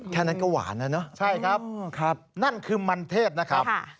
แค่นั้นก็หวานแล้วเนอะใช่ครับครับนั่นคือมันเทพนะครับ